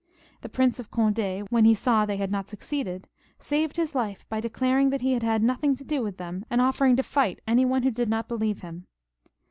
The Prince of Cond^, when he saw they had not succeeded, saved his life by declaring that he had had nothing to do with them, and offering to fight any one who did not believe him.